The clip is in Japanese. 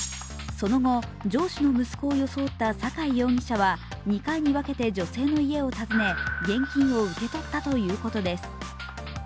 その後、上司の息子を装った阪井容疑者は２回に分けて女性の家を訪ね現金を受け取ったということです。